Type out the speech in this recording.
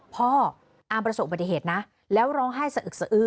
พ่ออามราโสะปัทเกษตรนะแล้วร้องไห้สะอึด